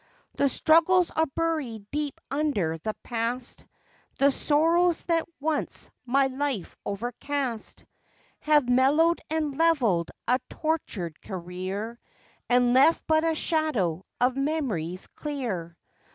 "The struggles are buried deep under the past, The sorrows that once my life overcast, Have mellowed and levelled a tortured career, And left but a shadow of memories clear.